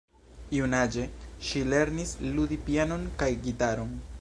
Junaĝe ŝi lernis ludi pianon kaj gitaron.